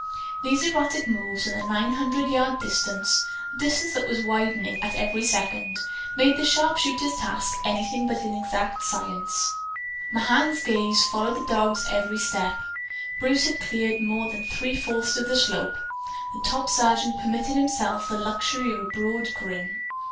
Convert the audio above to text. These erratic moves, and the nine hundred yard distance (a distance that was widening at every second) made the sharpshooters' task anything but an exact science. Mahan's gaze followed the dog's every step. Bruce had cleared more than three fourths of the slope. The top sergeant permitted himself the luxury of a broad grin.